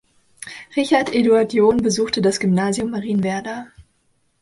Richard Eduard John besuchte das Gymnasium Marienwerder.